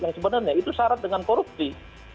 yang sebenarnya itu syarat dengan korupsi